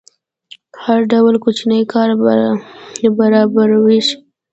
هر ډول کوچنی کار برابرولی شي.